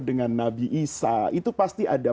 dengan nabi isa itu pasti ada